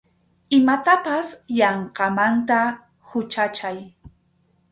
Imatapas yanqamanta huchachay.